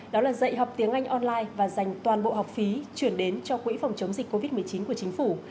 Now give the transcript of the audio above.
đó là dạy học tiếng anh online và dành toàn bộ học phí chuyển đến cho quỹ phòng chống dịch covid một mươi chín của chính phủ